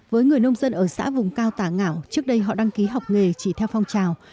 với người nông dân ở xã vùng cao tà ngảo trước đây họ đăng ký học nghề chỉ theo phong trào